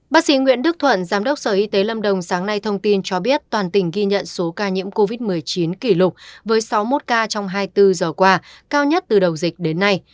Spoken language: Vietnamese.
bác sĩ nguyễn đức thuận giám đốc sở y tế lâm đồng sáng nay thông tin cho biết toàn tỉnh ghi nhận số ca nhiễm covid một mươi chín kỷ lục với sáu mươi một ca trong hai mươi bốn giờ qua cao nhất từ đầu dịch đến nay